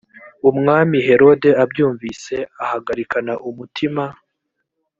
umwami herode abyumvise ahagarikana umutima